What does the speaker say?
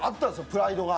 プライドが。